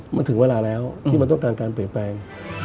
มันถึงเวลาแล้วที่มันต้องการการเปลี่ยนแปลง